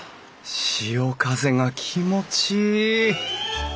潮風が気持ちいい！